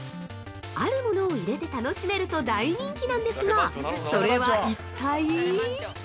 あるものを入れて楽しめると大人気なんですが、それは一体？